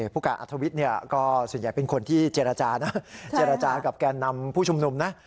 ผู้การอัธวิทย์ก็ส่วนใหญ่เป็นคนที่เจรจานะเจรจากับแกนนำผู้ชุมนุมนะ